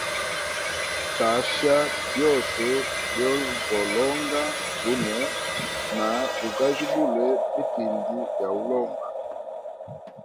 Tasha byose byo go longa lunwe, na gajibula mitindi ya ulonga.